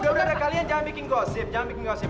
udah udah udah kalian jangan bikin gosip jangan bikin gosip